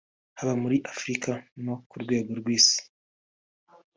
haba muri Afurika no ku rwego rw’isi